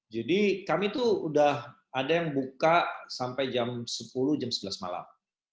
jadi kami tuh udah ada yang buka sampai jam sepuluh jam sebelas malam